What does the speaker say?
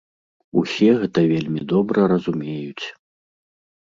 Усе гэта вельмі добра разумеюць.